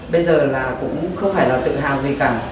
bây giờ là cũng không phải là tự hào gì cả